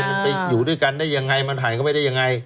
มันไปอยู่ด้วยกันได้ยังไงมันหายก็ไม่ได้ยังไง